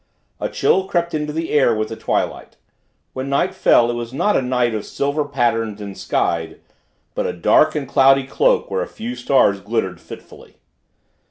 A chill crept into the air with the twilight. When night fell, it was not a night of silver patterns enskied, but a dark and cloudy cloak where a few stars glittered fitfully.